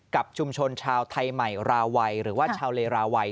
กับชุมชนชาวไทยใหม่ราวัยหรือว่าชาวเลราวัย